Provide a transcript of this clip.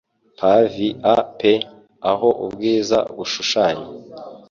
Pavia pe aho Ubwiza bushushanya